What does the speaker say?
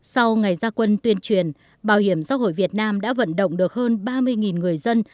sau ngày gia quân tuyên truyền bảo hiểm xã hội việt nam đã vận động được hơn ba mươi người dân